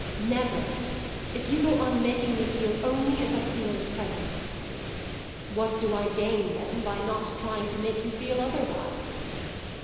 "Never if you go on making me feel only as I feel at present." "What do I gain then by not trying to make you feel otherwise?"